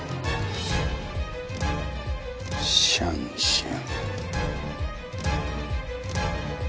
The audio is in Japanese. シャンシャン。